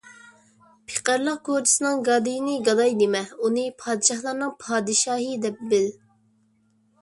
پېقىرلىق كوچىسىنىڭ گادىيىنى گاداي دېمە، ئۇنى پادىشاھلارنىڭ پادىشاھى دەپ بىل.